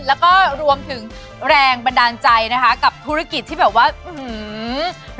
แล้วก็รวมถึงแรงบันดาลใจนะคะกับธุรกิจที่แบบว่าอื้อหือ